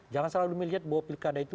jangan selalu melihat bahwa pilkada itu